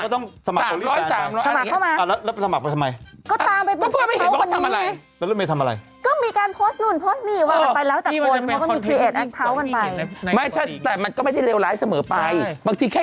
เออรถเมย์ไปพี่สมัครเข้ามารถเมย์เป็นรังแบบในนั้นสมมุติรถเมย์เป็นรังแบบในนั้นสมมุติรถเมย์เป็นรังแบบในนั้น